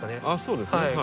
あそうですね。